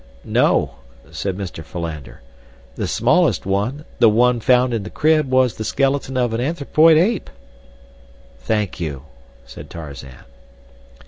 "No," said Mr. Philander, "the smallest one, the one found in the crib, was the skeleton of an anthropoid ape." "Thank you," said Tarzan.